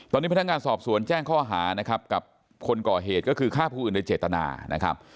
ตอนนี้พนักงานสอบสวนแจ้งข้อหานะครับกับคนก่อเหตุก็คือฆ่าผู้อื่นโดยเจตนานะครับ